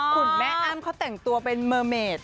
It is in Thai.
คุณแม่อ้ำเขาแต่งตัวเป็นเมอร์เมด